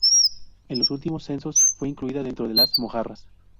En los últimos censos fue incluida dentro de Las Mojarras.